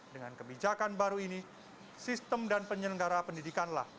dengan kebijakan baru ini sistem dan penyelenggara pendidikan lah